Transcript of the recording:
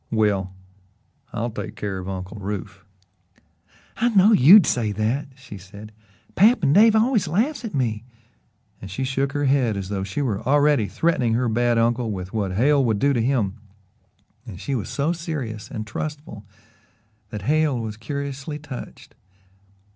"Well, I'll take care of Uncle Rufe." "I knowed YOU'D say that," she said. "Pap and Dave always laughs at me," and she shook her head as though she were already threatening her bad uncle with what Hale would do to him, and she was so serious and trustful that Hale was curiously touched.